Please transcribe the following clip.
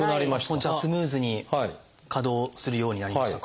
じゃあスムーズに稼働するようになりましたか？